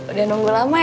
udah nunggu lama ya